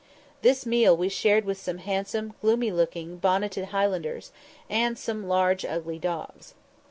This meal we shared with some handsome, gloomy looking, bonneted Highlanders, and some large ugly dogs.